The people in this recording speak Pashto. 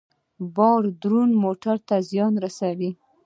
بار دروند موټر ته زیان رسوي.